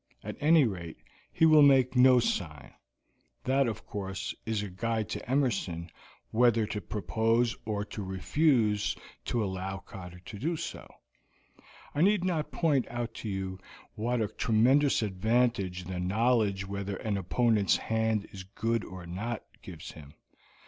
At any rate, he will make no sign that, of course, is a guide to Emerson whether to propose or to refuse to allow Cotter to do so. I need not point out to you what a tremendous advantage the knowledge whether an opponent's hand is good or not gives him.